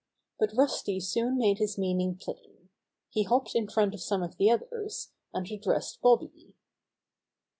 But Rusty toon made his meaning plain. He hopped in front of the others, and addressed Bobby.